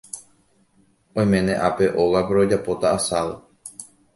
Oiméne ápe ógape rojapóta asado.